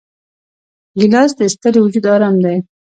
ګیلاس د ستړي وجود آرام دی.